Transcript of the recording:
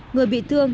người bị thương